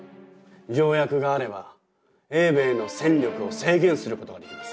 条約があれば英米の戦力を制限することができます。